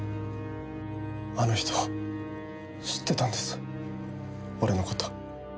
あの人知ってたんです俺の事。